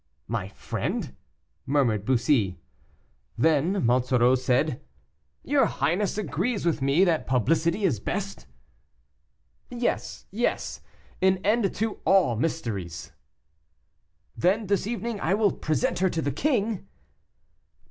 "My friend!" murmured Bussy. Then Monsoreau said, "Your highness agrees with me that publicity is best?" "Yes, yes; an end to all mysteries." "Then this evening I will present her to the king."